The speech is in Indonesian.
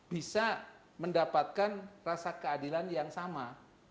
bisa mendapatkan rasa keadilan yang sama